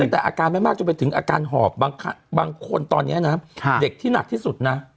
แต่อาการไม่มากจนไปถึงอาการหอบบางคนตอนนี้นะเด็กที่หนักที่สุดนะ